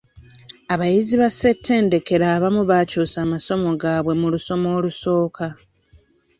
Abayizi ba ssettendekero abamu bakyusa amasomo gaabwe mu lusoma olusooka.